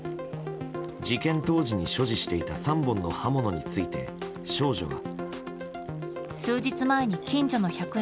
事件当時に所持していた３本の刃物について、少女は。